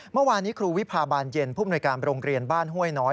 เมื่อวานนี้ครูวิพาบานเย็นผู้มนุยการโรงเรียนบ้านห้วยน้อย